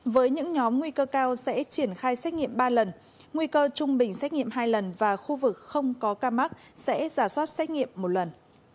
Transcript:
với những nhóm nguy cơ cao sẽ triển khai xét nghiệm ba lần nguy cơ trung bình xét nghiệm hai lần và khu vực không có ca mắc sẽ giả soát xét nghiệm một lần